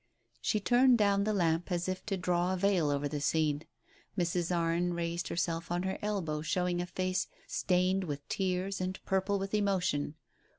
She turned down the lamp, as if to draw a veil over the scene. Mrs. Arne raised herself on her elbow, show ing a face stained with tears and purple with emotion.